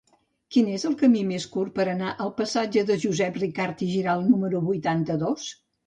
Quin és el camí més curt per anar al passatge de Josep Ricart i Giralt número vuitanta-dos?